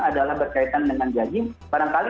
adalah berkaitan dengan gaji barangkali